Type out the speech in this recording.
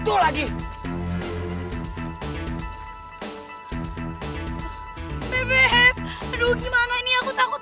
dan yang ini yang bagus america com